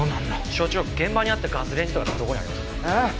所長現場にあったガスレンジとかってどこにありますか？